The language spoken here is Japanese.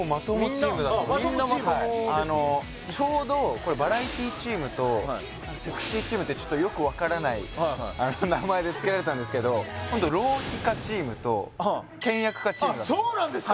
はいあのちょうどこれ「バラエティチーム」と「セクシーチーム」ってちょっとよく分からない名前でつけられたんですけどホント浪費家チームと倹約家チームなんです